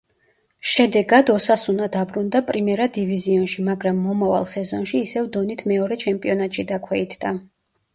შედეგად „ოსასუნა“ დაბრუნდა პრიმერა დივიზიონში, მაგრამ მომავალ სეზონში ისევ დონით მეორე ჩემპიონატში დაქვეითდა.